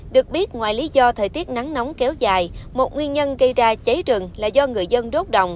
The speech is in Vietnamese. được biết ngoài lý do thời tiết nắng nóng kéo dài một nguyên nhân gây ra cháy rừng là do người dân đốt đồng